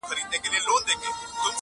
حیوانان یې پلټل په سمه غره کي!!